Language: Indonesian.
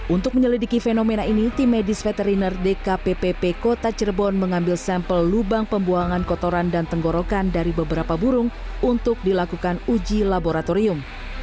untuk menyelidiki fenomena ini tim medis veteriner dkppp kota cirebon mengambil sampel lubang pembuangan kotoran dan tenggorokan dari beberapa burung untuk dilakukan uji laboratorium